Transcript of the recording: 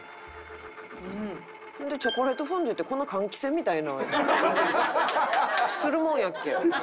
ほんでチョコレートフォンデュってこんな換気扇みたいな音するもんやっけ？